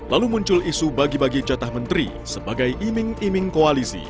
lalu muncul isu bagi bagi jatah menteri sebagai iming iming koalisi